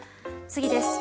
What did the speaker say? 次です。